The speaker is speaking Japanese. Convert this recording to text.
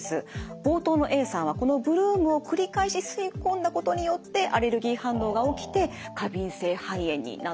冒頭のＡさんはこのブルームを繰り返し吸い込んだことによってアレルギー反応が起きて過敏性肺炎になってしまったんです。